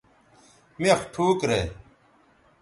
مِخ ٹھوک رے